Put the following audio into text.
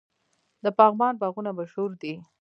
د پغمان باغونه مشهور دي.